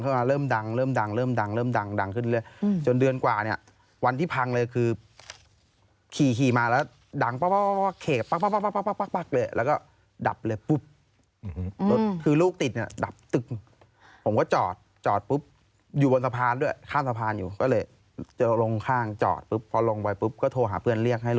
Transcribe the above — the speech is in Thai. คือมันไม่เชื่อมกันระหว่างการบิดกับการไปของรถใช่ไหม